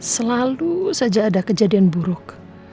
selalu saja ada kejadian buruk